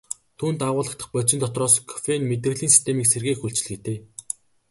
Түүнд агуулагдах бодисын дотроос кофеин мэдрэлийн системийг сэргээх үйлчилгээтэй.